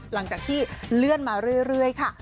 หลังจากที่เลื่อนมาเรื่อยค่ะ